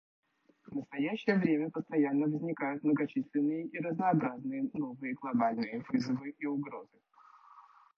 В настоящее время постоянно возникают многочисленные и разнообразные новые глобальные вызовы и угрозы.